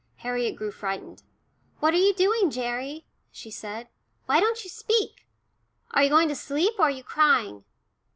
Harriet grew frightened. "What are you doing, Gerry?" she said. "Why don't you speak? Are you going to sleep or are you crying?